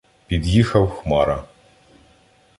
Під'їхав Хмара.